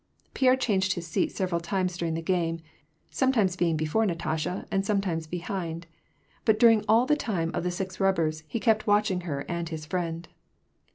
Pierre changed his seat several times during the game, some times being before Natasha, and sometimes behind ; but, dur ing all the time of the six rubbers, he kept watching her and his friend.